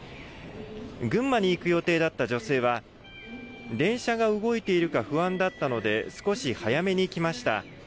群馬に行く予定だった女性は、電車が動いているか不安だったので少し早めに来ました。